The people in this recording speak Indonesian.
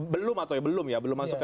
belum atau ya belum ya belum masuk ke